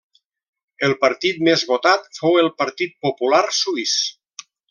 El partit més votat fou el Partit Popular Suís.